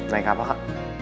naik apa kak